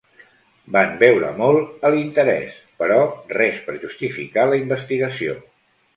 Van veure molt a l'interès, però res per justificar la investigació.